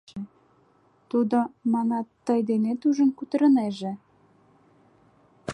Тудо, манат, тый денет ужын кутырынеже.